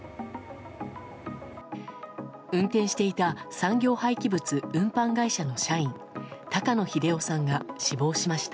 運転していた産業廃棄物運搬会社の社員高野英雄さんが死亡しました。